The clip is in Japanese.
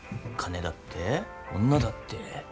金だって女だって。